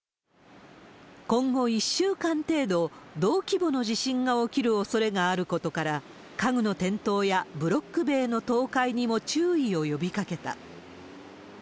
今後１週間程度、同規模の地震が起きるおそれがあることから、家具の転倒やブロック塀の倒壊にも注意を呼びかけた。